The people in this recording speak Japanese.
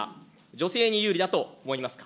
女性に有利だと思いますか。